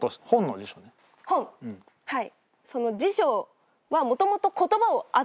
はい。